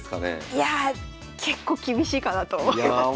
いやあ結構厳しいかなと思います。